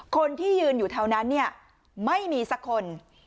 คนที่ยืนอยู่แถวนั้นเนี่ยไม่มีสักคน